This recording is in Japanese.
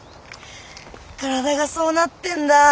体がそうなってんだ。